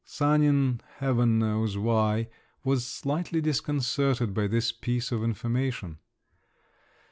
Sanin—heaven knows why—was slightly disconcerted by this piece of information.